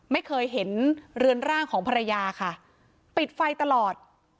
ไม่เคยเห็นเรือนร่างของภรรยาค่ะปิดไฟตลอด